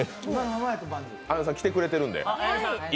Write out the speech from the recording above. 綾音さん、来てくれてるんで。